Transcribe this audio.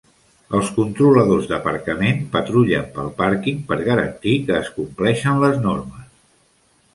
Els controladors d'aparcament patrullen pel pàrquing per garantir que es compleixen les normes.